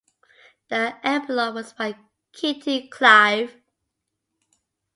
The epilogue was by Kitty Clive.